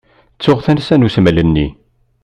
Ttuɣ tansa n usmel-nni.